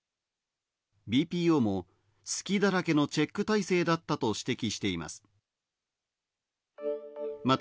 ＢＰＯも隙だらけのチェック体制だったと指摘しています。